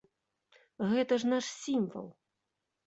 Гэта ж наш сімвал.